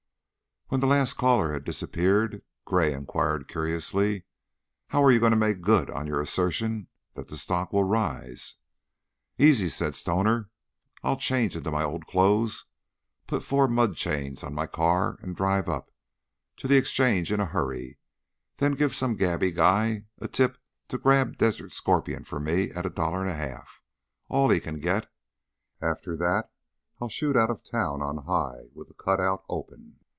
When the last caller had disappeared, Gray inquired, curiously: "How are you going to make good on your assertion that the stock will rise?" "Easy!" said Stoner. "I'll change into my old clothes, put four mud chains on my car, and drive up, to the exchange in a hurry, then give some gabby guy a tip to grab Desert Scorpion for me at a dollar and a half all he can get. After that I'll shoot out of town on high, with the cut out open.